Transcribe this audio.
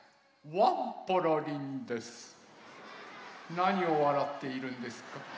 なにをわらっているんですか？